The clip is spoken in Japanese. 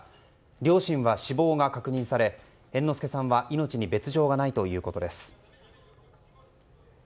両親は死亡が確認され猿之助さんは命に別条はないということです。